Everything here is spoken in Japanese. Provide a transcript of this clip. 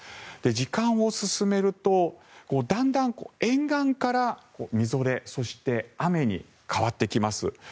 時間を進めるとだんだん沿岸から、みぞれそして雨に変わってきます。